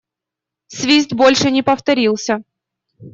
Свист больше не повторился.